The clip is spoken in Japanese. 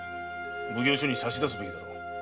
奉行所に差し出すべきだろう。